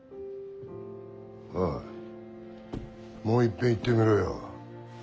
おいもういっぺん言ってみろよ。